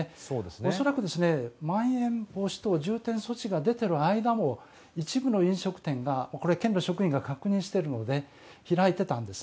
恐らく、まん延防止等重点措置が出ている間も一部の飲食店がこれ県の職員が確認しているので開いてたんです。